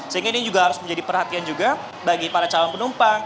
sehingga ini juga harus menjadi perhatian juga bagi para calon penumpang